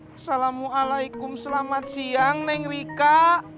assalamualaikum selamat siang neng rika